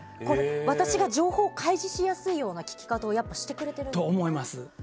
私が情報を開示しやすいような聞き方をしてくれているんですか。